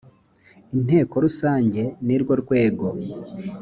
inteko rusangeni rwo rwego